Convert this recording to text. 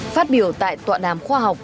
phát biểu tại tọa đám khoa học